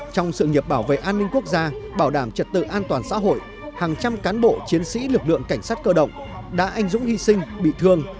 tự an toàn xã hội hàng trăm cán bộ chiến sĩ lực lượng cảnh sát cơ động đã anh dũng hy sinh bị thương